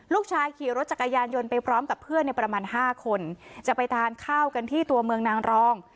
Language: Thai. ลูกชายขี่รถจักรยานยนต์ไปพร้อมกับเพื่อนในประมาณ๕คนจะไปทานข้าวกันที่ตัวเมืองนางรอง